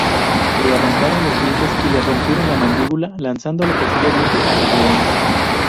Le arrancaron los dientes y le rompieron la mandíbula, lanzándolo posteriormente a los leones.